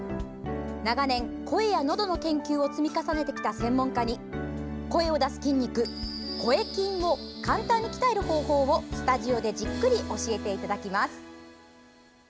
長年、声やのどの研究を積み重ねてきた専門家に声を出す筋肉、声筋を簡単に鍛える方法をスタジオでじっくり教えていただきます。